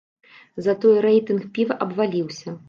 Затое рэйтынг піва абваліўся.